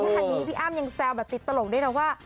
คันนี้พี่อ้ำยังแซวแบบติดตลกด้วยนะว่า